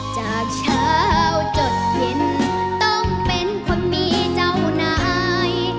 จากเช้าจดเย็นต้องเป็นคนมีเจ้านาย